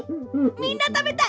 みんなたべたい？